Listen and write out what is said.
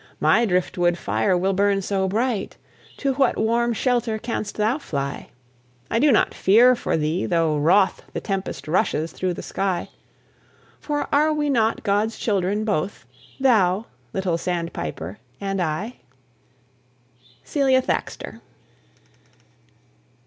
My driftwood fire will burn so bright! To what warm shelter canst thou fly? I do not fear for thee, though wroth The tempest rushes through the sky; For are we not God's children both, Thou, little sandpiper, and I? CELIA THAXTER.